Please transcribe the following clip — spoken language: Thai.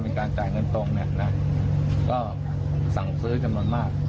มีการจ่ายเงินตรงเนี่ยแล้วก็สั่งซื้อจำนวนมาก